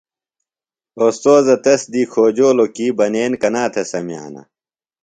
اوستوذہ تس دی کھوجولوۡ کی بنین کنا تھےۡ سمِیانہ ؟